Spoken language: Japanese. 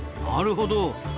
なるほど。